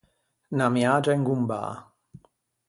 Unna miagia ingombâ.